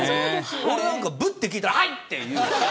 俺なんか、ぶって聞いたらはいって言うよ。